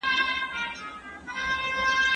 شعوري مبارزه د احساساتي نارو تر اغېزې ډېره پياوړې ده.